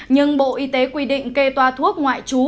nhưng bộ y tế quy định kê toa thuốc ngoại trú